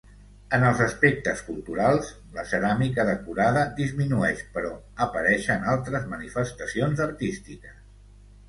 En els aspectes culturals, la ceràmica decorada disminueix però apareixen altres manifestacions artístiques.